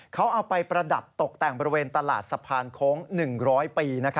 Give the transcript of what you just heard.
เขาเอาไปประดับตกแต่งบริเวณตลาดสะพานโค้ง๑๐๐ปี